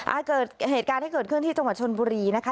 อ่าเกิดเหตุการณ์ที่เกิดขึ้นที่จังหวัดชนบุรีนะคะ